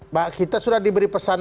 mbak kita sudah diberi pesan